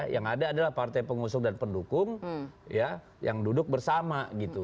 yang ada adalah partai pengusung dan pendukung yang duduk bersama gitu